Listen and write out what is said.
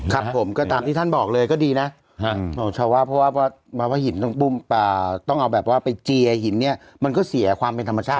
ครับผมตามที่ท่านบอกเลยก็ดีนะเพราะหินต้องไปเจ๋อหินมันก็เสียความในธรรมชาติ